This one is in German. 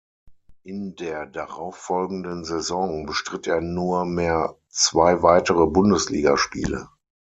In der darauffolgenden Saison bestritt er nurmehr zwei weitere Bundesligaspiele.